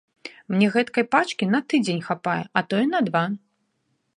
Мне гэткай пачкі на тыдзень хапае, а то і на два.